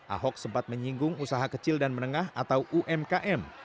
ahok sempat menyinggung usaha kecil dan menengah atau umkm